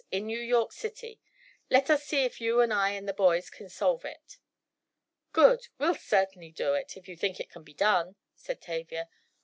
In New York City! Let us see if you and I and the boys can solve it!" "Good! We'll certainly do it, if you think it can be done," said Tavia.